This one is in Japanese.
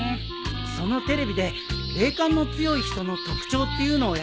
そのテレビで霊感の強い人の特徴っていうのをやってたんだ。